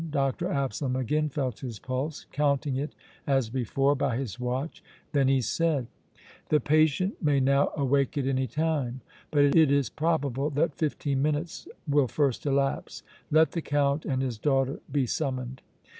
Dr. Absalom again felt his pulse, counting it as before by his watch; then he said: "The patient may now awake at any time, but it is probable that fifteen minutes will first elapse. Let the Count and his daughter be summoned."